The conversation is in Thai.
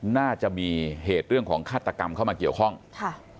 น่าจะมีเหตุเรื่องของฆาตกรรมเข้ามาเกี่ยวข้องค่ะ